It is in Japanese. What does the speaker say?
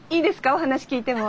お話聞いても。